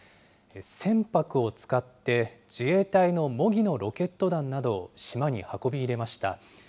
船舶を使って、自衛隊の模擬のロケット弾などを島に運び入れました。